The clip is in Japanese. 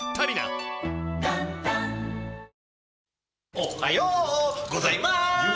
おはようございまーす！